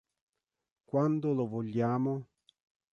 Quando lo vogliamo?